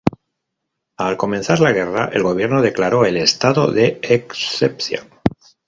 Al comenzar la guerra, el gobierno declaró el estado de excepción.